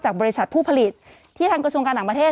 บริษัทผู้ผลิตที่ทางกระทรวงการต่างประเทศ